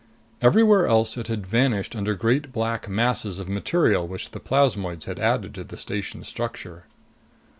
Everywhere else it had vanished under great black masses of material which the plasmoids had added to the station's structure.